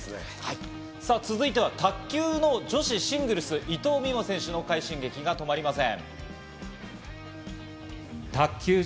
続いては卓球の女子シングルス、伊藤美誠選手の快進撃が止まりません。